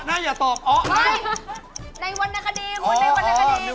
ในวันราคาดีม